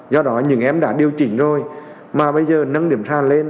do đó những em đã điều chỉnh rồi mà bây giờ nâng điểm sàn lên